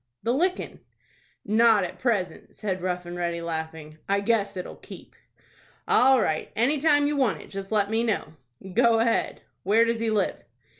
"The lickin'." "Not at present," said Rough and Ready, laughing. "I guess it'll keep." "All right. Any time you want it, just let me know." "Go ahead. Where does he live?"